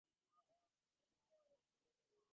কিন্তু আমার ভায়া চটছে।